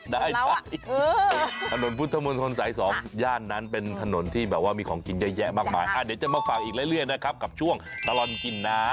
ได้ไหมถนนพุทธมนตรสาย๒ย่านนั้นเป็นถนนที่แบบว่ามีของกินเยอะแยะมากมายเดี๋ยวจะมาฝากอีกเรื่อยนะครับกับช่วงตลอดกินนะ